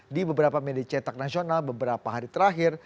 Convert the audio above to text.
di beberapa medecetak nasional beberapa hari terakhir